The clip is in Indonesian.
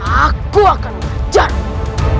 aku akan mengejarmu